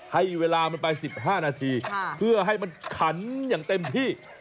ให้เวลามันไป๑๕นาทีเพื่อให้มันขันอย่างเต็มที่